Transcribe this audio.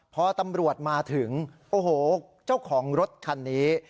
พอตำรวจมาถึงโอ้โหเจ้าของรถคันนี้